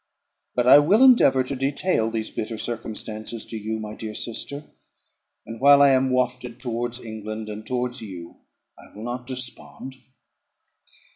But I will endeavour to detail these bitter circumstances to you, my dear sister; and, while I am wafted towards England, and towards you, I will not despond.